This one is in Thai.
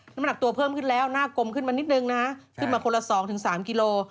น้ำหนักตัวเพิ่มขึ้นแล้วหน้ากลมขึ้นมานิดนึงนะขึ้นมาคนละ๒๓กิโล